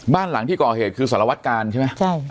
บ้านหลังที่ก่อเหตุคือสารวัตกาลใช่ไหม